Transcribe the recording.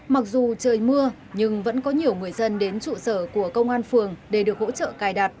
mặc dù trời mưa nhưng vẫn có nhiều người dân đến trụ sở của công an phường để được hỗ trợ cài đặt